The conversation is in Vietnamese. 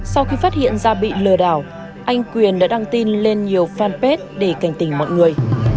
sau khi phát hiện ra bị lừa đảo anh quyền đã đăng tin lên nhiều fanpage để cảnh tình mọi người